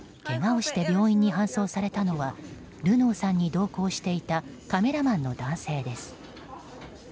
けがをして病院に搬送されたのはルノーさんに同行していたカメラマンの男性です。